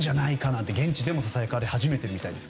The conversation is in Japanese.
って現地でもささやかれ始めているそうです。